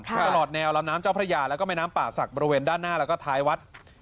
ตลอดแนวลำน้ำเจ้าพระยาแล้วก็แม่น้ำป่าศักดิ์บริเวณด้านหน้าแล้วก็ท้ายวัด